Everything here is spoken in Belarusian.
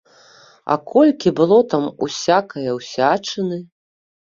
А колькі было там усякае ўсячыны!